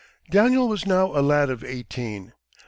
Daniel was now a lad of eighteen.